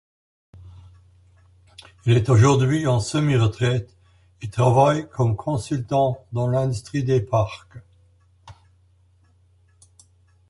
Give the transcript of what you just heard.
Il est aujourd'hui en semi-retraite et travaille comme consultant dans l'industrie des parcs.